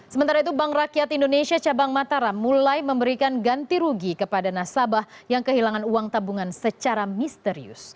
sementara itu bank rakyat indonesia cabang mataram mulai memberikan ganti rugi kepada nasabah yang kehilangan uang tabungan secara misterius